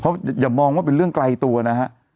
เพราะอย่ามองว่าเป็นเรื่องไกลตัวนะฮะ